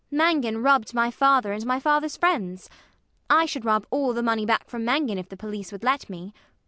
Mangan robbed my father and my father's friends. I should rob all the money back from Mangan if the police would let me.